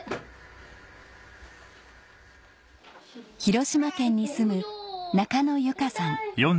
広島県に住む中野由佳さん